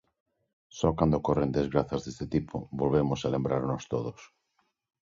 Só cando ocorren desgrazas deste tipo volvemos a lembrarnos todos.